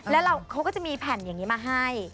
แล้วเขาก็จะมีแผ่นอย่างนี้มาให้